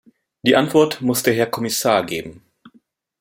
Die Antwort muss der Herr Kommissar geben.